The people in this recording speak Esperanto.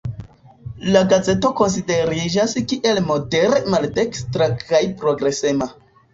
La gazeto konsideriĝas kiel modere maldekstra kaj progresema.